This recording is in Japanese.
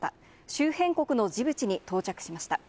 周辺国のジブチに到着しました。